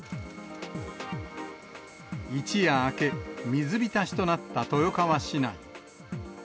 一夜明け、水浸しとなった豊川市内。